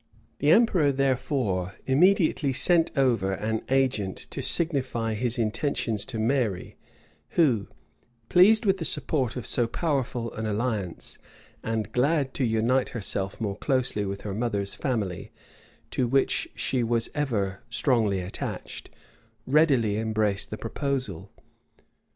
The emperor, therefore, immediately sent over an agent to signify his intentions to Mary; who, pleased with the support of so powerful an alliance, and glad to unite herself more closely with her mother's family, to which she was ever strongly attached, readily embraced the proposal.